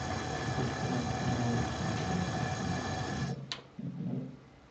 Este sistema responde a las dos necesidades de transcripción ya mencionadas.